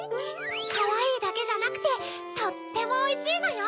かわいいだけじゃなくてとってもおいしいのよ！